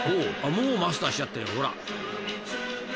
もうマスターしちゃったよ］